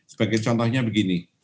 sebagai contohnya begini